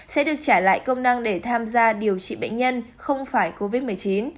sẽ được trả lại công năng để tham gia điều trị bệnh nhân không phải covid một mươi chín